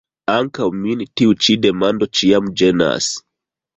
Ankaŭ min tiu ĉi demando ĉiam ĝenas.